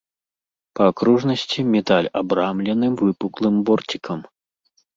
Па акружнасці медаль абрамлены выпуклым борцікам.